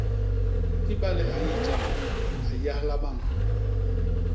Ibale a nyi jam a nyahla bañ.